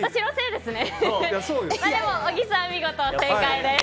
でも小木さん、見事正解です。